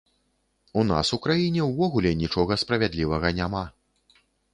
У нас у краіне ўвогуле нічога справядлівага няма.